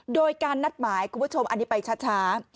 โดยการนัดหมายคุณผู้ชมอันนี้ไปช้า